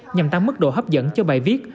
nhằm tăng mức độ hấp dẫn cho bài viết